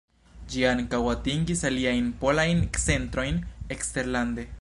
Ĝi ankaŭ atingis aliajn polajn centrojn eksterlande.